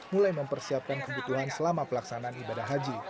mulai mempersiapkan kebutuhan selama pelaksanaan ibadah haji